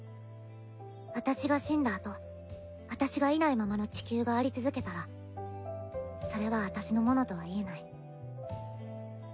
私が死んだあと私がいないままの地球があり続けたらそれは私のものとは言えない。